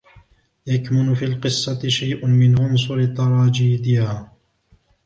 يكمن في القصة شيء من عنصر التراجيديا.